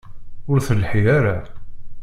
Ur telḥi ara.